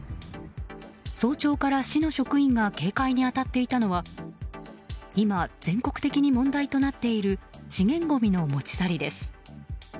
早朝から市の職員が警戒に当たっていたのは今、全国的に問題となっている資源ごみの持ち去りです。